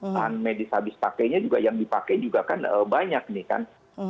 bahan medis habis pakainya juga yang dipakai juga kan banyak nih kan